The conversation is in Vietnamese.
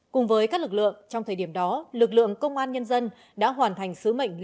cùng với các lực lượng trong thời điểm đó lực lượng công an nhân dân đã hoàn thành sứ mệnh liên lạc